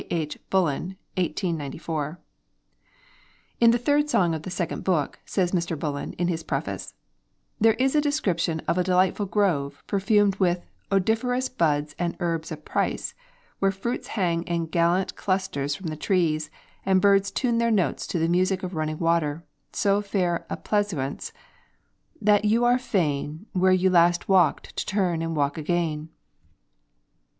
H. Bullen (1894). "In the third song of the Second Book," says Mr. Bullen in his preface, "There is a description of a delightful grove, perfumed with 'odoriferous buds and herbs of price,' where fruits hang in gallant clusters from the trees, and birds tune their notes to the music of running water; so fair a pleasaunce 'that you are fain Where you last walked to turn and walk again.'